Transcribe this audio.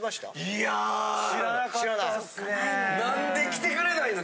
いや！何で来てくれないの？